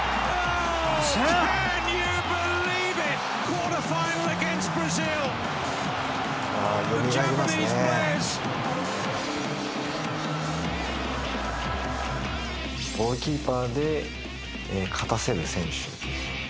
ゴールキーパーで勝たせる選手。